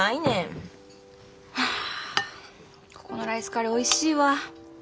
はあここのライスカレーおいしいわ。